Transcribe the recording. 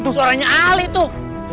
suaranya ali tuh